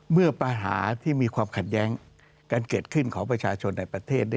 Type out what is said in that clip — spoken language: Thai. เมื่อปัญหาที่มีความขัดแย้งการเกิดขึ้นของประชาชนในประเทศ